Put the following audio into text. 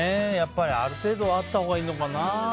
ある程度はあったほうがいいのかな。